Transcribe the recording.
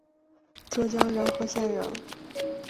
浙江仁和县人。